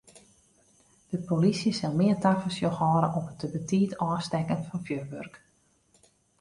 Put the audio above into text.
De polysje sil mear tafersjoch hâlde op it te betiid ôfstekken fan fjurwurk.